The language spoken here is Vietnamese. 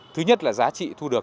thứ nhất là giá trị thu được